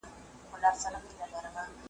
د پیر نیکونه ټول غوثان تېر سوي .